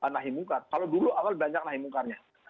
nahimungkar kalau dulu awal banyak nahimungkarnya